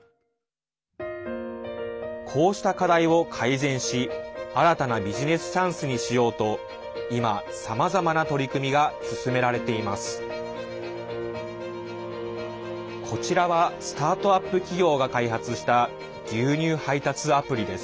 こうした課題を改善し新たなビジネスチャンスにしようと今、さまざまな取り組みが進められています。